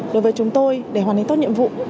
đối với chúng tôi để hoàn thành tốt nhiệm vụ